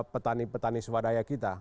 petani petani swadaya kita